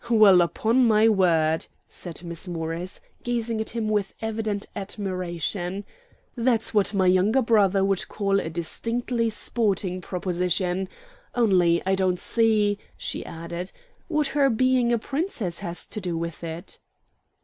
"Well, upon my word," said Miss Morris, gazing at him with evident admiration, "that's what my younger brother would call a distinctly sporting proposition. Only I don't see," she added, "what her being a Princess has to do with it."